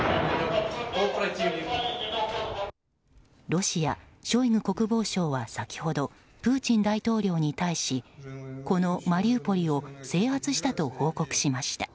ロシアショイグ国防相は先ほどプーチン大統領に対しこのマリウポリを制圧したと報告しました。